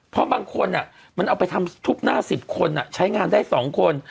เพราะบางคนอ่ะมันเอาไปทำทุบหน้าสิบคนอ่ะใช้งานได้สองคน